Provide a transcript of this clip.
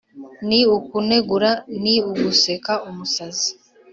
ni ukunegura, ni uguseka umusazi,